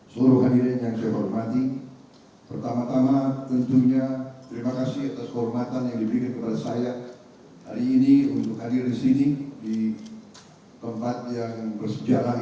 seluruh hadirin yang saya hormati pertama tama tentunya terima kasih atas kehormatan yang diberikan kepada saya hari ini untuk hadir di sini di tempat yang bersejarah